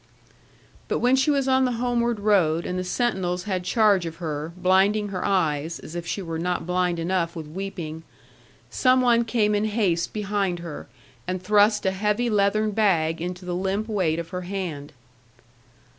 But when she was on the homeward road, and the sentinels had charge of her, blinding her eyes, as if she were not blind enough with weeping, some one came in haste behind her, and thrust a heavy leathern bag into the limp weight of her hand.